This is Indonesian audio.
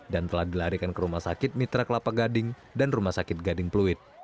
dan telah dilarikan ke rumah sakit mitra kelapa gading dan rumah sakit gading pluit